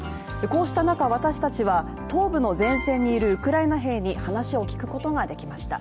こうした中、私たちは東部の前線にいるウクライナ兵に話を聞くことができました。